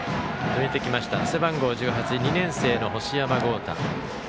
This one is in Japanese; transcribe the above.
背番号１８２年生の星山豪汰。